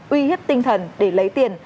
uy hiếp tinh thần để lấy tiền